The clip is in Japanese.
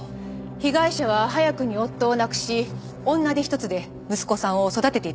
被害者は早くに夫を亡くし女手一つで息子さんを育てていたそうです。